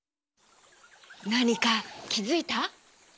なにかきづいた？